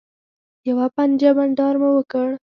یوه پنجه بنډار مو وکړ.